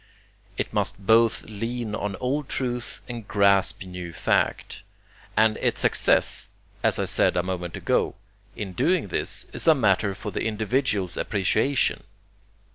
It must both lean on old truth and grasp new fact; and its success (as I said a moment ago) in doing this, is a matter for the individual's appreciation.